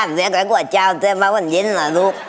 แจ้นแน่กว่าเจ้าจะมาวันเย็นเหรอลูก